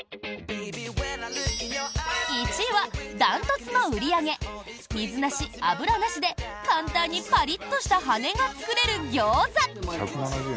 １位は、断トツの売り上げ水なし油なしで簡単にパリッとした羽根が作れるギョーザ。